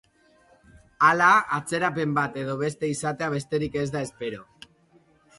Hala, atzerapen bat edo beste izatea besterik ez da espero.